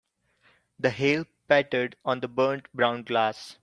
The hail pattered on the burnt brown grass.